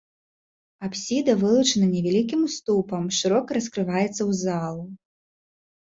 Апсіда вылучана невялікім уступам, шырока раскрываецца ў залу.